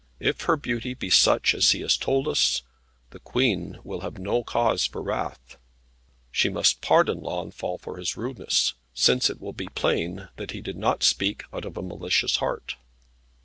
If her beauty be such as he has told us, the Queen will have no cause for wrath. She must pardon Launfal for his rudeness, since it will be plain that he did not speak out of a malicious heart.